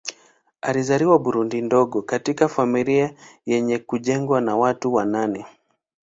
Alizaliwa Burundi mdogo katika familia yenye kujengwa na watu wa nane.